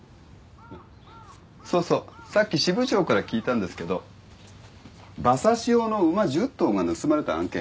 そうそうさっき支部長から聞いたんですけど馬刺し用の馬１０頭が盗まれた案件。